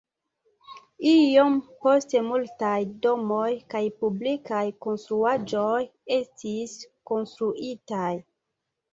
Iom poste multaj domoj kaj publikaj konstruaĵoj estis konstruitaj.